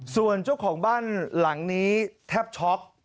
ส่วนเจ้าของบ้านหลังนี้แทบช็อก